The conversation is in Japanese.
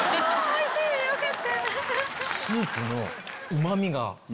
よかった！